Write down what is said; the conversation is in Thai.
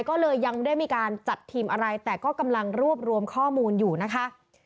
ก็เลยยังไม่ได้มีการจัดทีมอะไรแต่ก็กำลังรวบรวมข้อมูลอยู่นะคะ